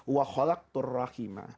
wa kholak tur rahima